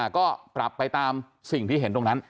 ก็ปรับไปตามสิ่งที่เห็นตรงนั้น